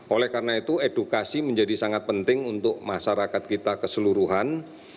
oleh karena itu edukasi menjadi sangat penting untuk masyarakat kita keseluruhan